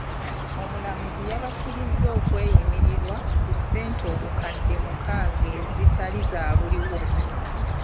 Omulamuzi yabakkiriza okweyimirirwa ku ssente obukadde mukaaga ezitaali za buliwo.